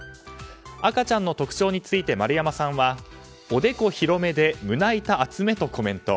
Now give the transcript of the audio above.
赤ちゃんの特徴について丸山さんはおでこ広めで胸板厚めとコメント。